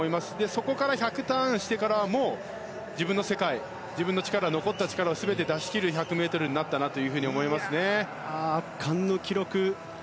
そこから１００をターンしてからも自分の世界、自分の残った力を出し切る１００ｍになったなと圧巻の記録。